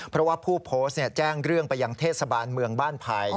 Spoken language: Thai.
เพราะว่าผู้โพสต์แจ้งเรื่องไปยังเทศบาลเมืองบ้านไผ่